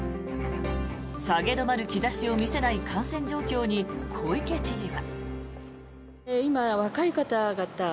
下げ止まる兆しを見せない感染状況に、小池知事は。